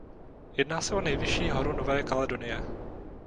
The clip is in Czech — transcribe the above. Jedná se o nejvyšší horu Nové Kaledonie.